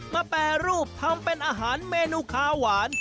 แปรรูปทำเป็นอาหารเมนูคาหวาน